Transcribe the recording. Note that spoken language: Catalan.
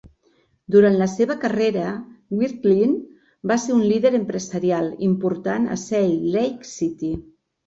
Durant la seva carrera, Wirthlin va ser un líder empresarial important a Salt Lake City.